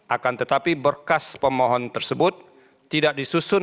akan tetapi berkas pemohon tersebut tidak disusun